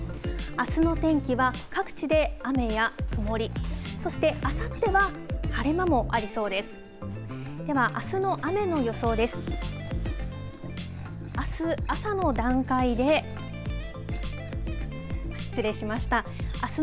あすの天気は各地で雨や曇り、そしてあさっては晴れ間もありそうです。